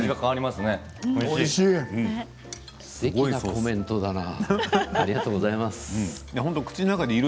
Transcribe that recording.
すてきなコメントだな。